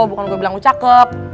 bukan gue bilang gue cakep